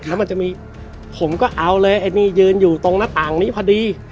แล้วมันจะมีผมก็เอาเลยไอ้นี่ยืนอยู่ตรงหน้าต่างนี้พอดี